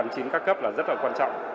chính các cấp là rất là quan trọng